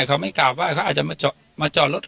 แต่เขาไม่กลับว่าเขาอาจจะมาจอดรถ